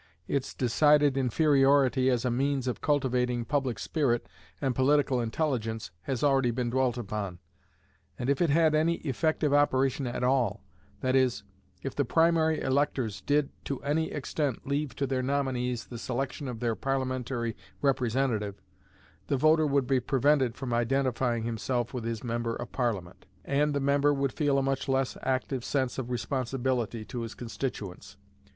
Its decided inferiority as a means of cultivating public spirit and political intelligence has already been dwelt upon; and if it had any effective operation at all that is, if the primary electors did to any extent leave to their nominees the selection of their Parliamentary representative, the voter would be prevented from identifying himself with his member of Parliament, and the member would feel a much less active sense of responsibility to his constituents.